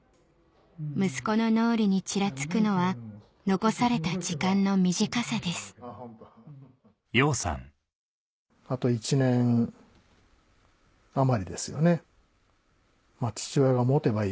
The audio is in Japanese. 息子の脳裏にちらつくのは残された時間の短さですというのは。